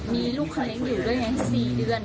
มีลูกของเล็กอยู่ด้วยนะ๔เดือน